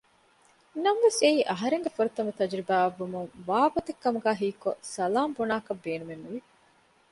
ނަމަވެސް އެއީ އަހަރެންގެ ފުރަތަމަ ތަޖުރިބާއަށްވުމުން ވާގޮތެއް ކަމުގައި ހީކޮށް ސަލާން ބުނާކަށް ބޭނުމެއްނުވި